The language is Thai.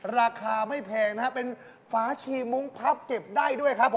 ราคาไม่แพงนะครับเป็นฝาชีมุ้งพับเก็บได้ด้วยครับผม